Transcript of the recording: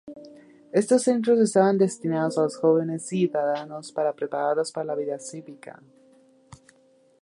Estos centros estaban destinados a los jóvenes ciudadanos para prepararlos para la vida cívica.